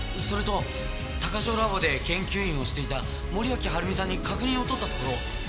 それと鷹城ラボで研究員をしていた森脇治美さんに確認を取ったところ。